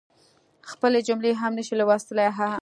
خپلي جملی هم نشي لوستلی هههه